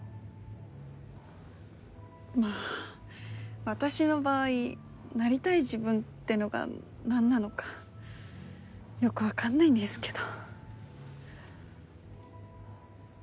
まあ私の場合なりたい自分ってのが何なのかよく分かんないんですけど。